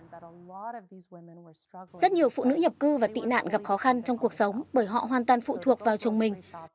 rất nhiều phụ nữ nhập cư và tị nạn gặp khó khăn trong cuộc sống bởi họ hoàn toàn phụ thuộc vào chồng mình